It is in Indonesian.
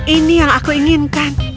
ini yang aku inginkan